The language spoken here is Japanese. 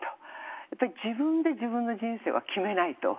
やっぱり自分で自分の人生は決めないと。